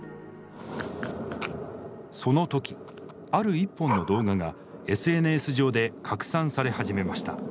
その時ある一本の動画がＳＮＳ上で拡散され始めました。